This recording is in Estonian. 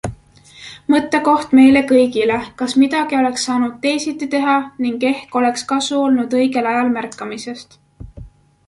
Mõttekoht meile kõigile, kas midagi oleks saanud teisiti teha ning ehk oleks kasu olnud õigel ajal märkamisest.